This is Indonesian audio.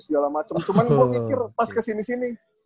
segala macam cuman gue mikir pas kesini sini